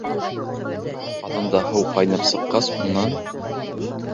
Ҡаҙанда һыу ҡайнап сыҡҡас, унан: